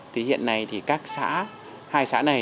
thì hiện nay thì các xã hai xã này